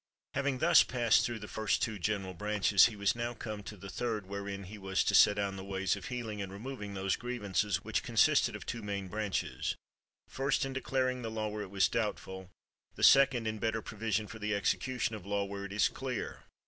Having thus passed through the two first general branches, he was now come to the third, wherein he was to set down the ways of healing and removing those grievances which consisted of two main branches : first, in declaring the law where it was doubtful ; the second, in better pro vision, for the execution of law, where it is clear.